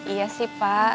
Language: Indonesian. iya sih pak